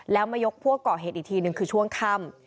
แล้วมายกพวกก่อเหตุอีกทีหนึ่งคือช่วงค่ำ